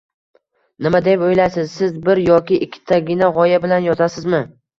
Nima deb oʻylaysiz, siz bir yoki ikkitagina gʻoya bilan yozasizmi